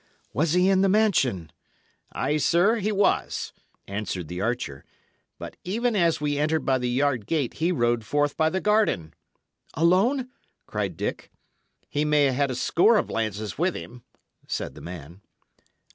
"Was he in the mansion?" "Ay, sir, he was," answered the archer; "but even as we entered by the yard gate he rode forth by the garden." "Alone?" cried Dick. "He may 'a' had a score of lances with him," said the man.